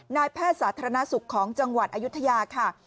นายแพทย์สาธารณสุขของจังหวัดอายุทยาค่ะ